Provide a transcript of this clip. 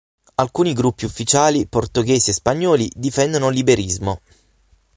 Alcuni gruppi ufficiali portoghesi e spagnoli difendono l'iberismo.